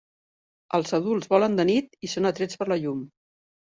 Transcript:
Els adults volen de nit i són atrets per la llum.